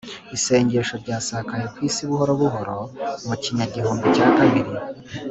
isengesho ryasakaye ku isi buhoro buhoro mu kinyagihumbi cya kabiri